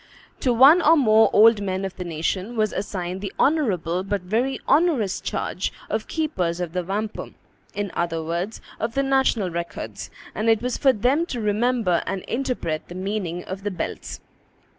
To one or more old men of the nation was assigned the honorable, but very onerous, charge of keepers of the wampum, in other words, of the national records; and it was for them to remember and interpret the meaning of the belts.